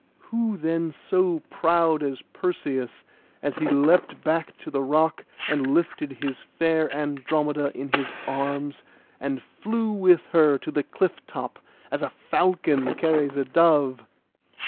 Who then so proud as Perseus, as he leapt back to the rock, and lifted his fair Andromeda in his arms, and flew with her to the cliff top, as a falcon carries a dove?